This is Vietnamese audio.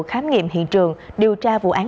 khám nghiệm hiện trường điều tra vụ án